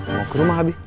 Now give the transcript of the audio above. mau ke rumah abi